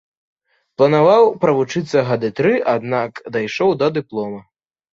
Планаваў правучыцца гады тры, аднак дайшоў да дыплома.